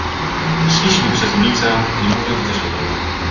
"Szliśmy przez ulicę, nie mówiąc do siebie."